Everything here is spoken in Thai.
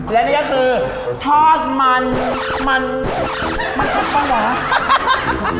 และนี่ก็คือทอดมันมันมันคักปะวะ